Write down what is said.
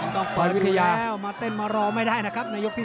ต้องเปิดวิธีแล้วมาเต้นมารอไม่ได้นะครับในยกที่๑